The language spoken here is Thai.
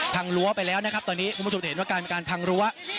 พังรั้วไปแล้วนะครับตอนนี้คุณผู้ชมเห็นว่าการพังรั้ว